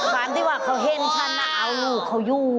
วันที่ว่าเขาเห็นฉันน่ะเอาลูกเขาอยู่